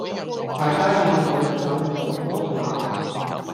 大家要努力守謢廣東話